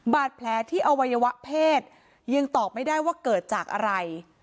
บาดแผลที่อวัยวะเพศยังตอบไม่ได้ว่าเกิดจากอะไร